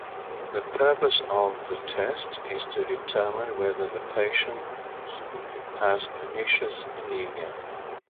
The purpose of the test is to determine whether the patient has pernicious anemia.